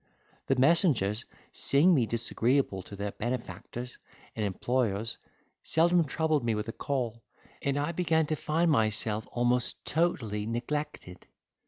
The messengers, seeing me disagreeable to their benefactors and employers, seldom troubled me with a call, and I began to find myself almost totally neglected.